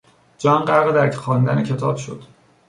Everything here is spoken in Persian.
جان غرق در خواندن کتاب شد.